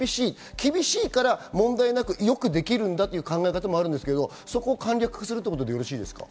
厳しいから問題なくよくできるんだという考え方もあるんですけど、簡略化するということでよろしいですか？